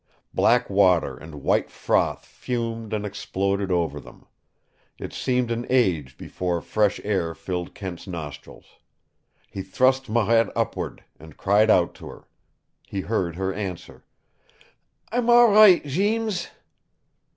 Black water and white froth fumed and exploded over them. It seemed an age before fresh air filled Kent's nostrils. He thrust Marette upward and cried out to her. He heard her answer. "I'm all right Jeems!"